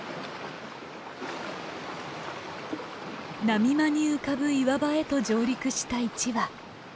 波間に浮かぶ岩場へと上陸した１羽。